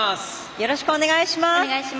よろしくお願いします。